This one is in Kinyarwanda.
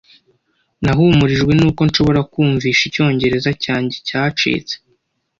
Nahumurijwe nuko nshobora kumvisha icyongereza cyanjye cyacitse.